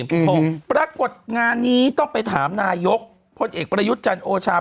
ถูกปรากฏงานนี้ต้องไปถามนายกพลเอกประยุทธ์จันทร์โอชา